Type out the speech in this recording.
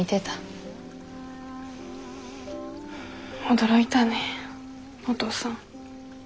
驚いたねお父さん。